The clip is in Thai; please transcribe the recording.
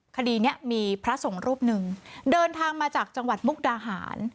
คดีนี้มีพระสงฆ์รูปหนึ่งเดินทางมาจากจังหวัดมุกดาหาร